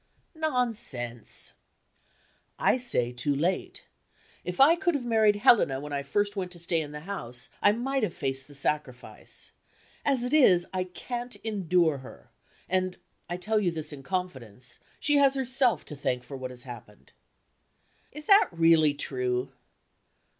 "Nonsense!" "I say too late. If I could have married Helena when I first went to stay in the house, I might have faced the sacrifice. As it is, I can't endure her; and (I tell you this in confidence) she has herself to thank for what has happened." "Is that really true?"